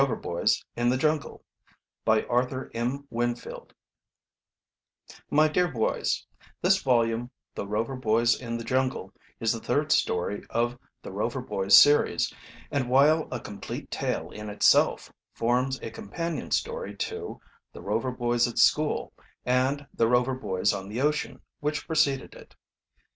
Winfield (Edward Stratemeyer) INTRODUCTION My dear boys: This volume, "The Rover Boys in the jungle," is the third story of the "Rover Boys Series," and while a complete tale in itself, forms a companion story to "The Rover Boys at School" and "The Rover Boys on the Ocean," which preceded it.